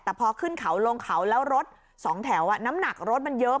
แต่พอขึ้นเขาลงเขาแล้วรถสองแถวน้ำหนักรถมันเยอะ